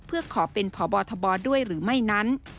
เพื่อขอเป็นพบทบด้วยหรือไม่นั้น